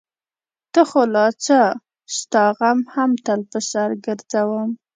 ته خو لا څه؛ ستا غم هم تل په سر ګرځوم.